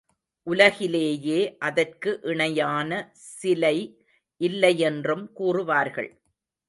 உலகிலேயே அதற்கு இணையான சிலை இல்லையென்றும் கூறுவார்கள்.